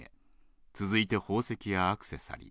続いて宝石やアクセサリー。